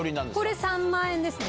これ３万円ですね。